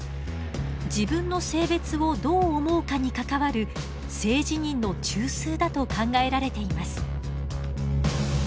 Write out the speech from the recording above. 自分の性別をどう思うかに関わる性自認の中枢だと考えられています。